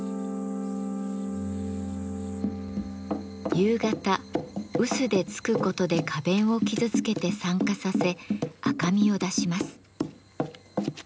夕方うすでつくことで花弁を傷つけて酸化させ赤みを出します。